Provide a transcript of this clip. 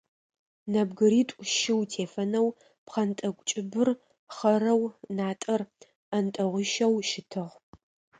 Нэбгыритӏу-щы утефэнэу, пхъэнтӏэкӏу кӏыбыр хъэрэу, натӏэр ӏантэгъуищэу щытыгъ.